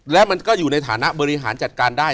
และมันก็อยู่ในฐานะบริหารจัดการได้